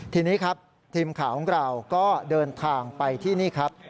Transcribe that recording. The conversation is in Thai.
ทีนี้ครับทีมข่าวของเราก็เดินทางไปที่นี่ครับ